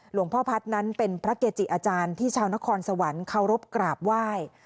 หลวงพ่อพัฒน์นั้นเป็นพระเกจิอาจารย์ที่ชาวนครสวรรค์เคารพกราบไหว้